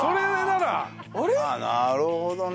なるほどね。